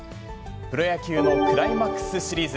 プロ野球のクライマックスシリーズ。